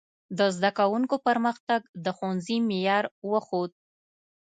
د زده کوونکو پرمختګ د ښوونځي معیار وښود.